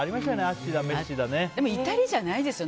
でも至りじゃないですよ。